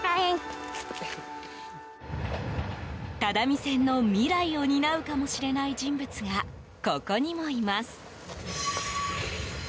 只見線の未来を担うかもしれない人物がここにもいます。